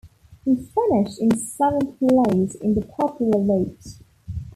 He finished in seventh place in the popular vote.